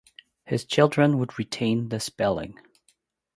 His children would retain the spelling.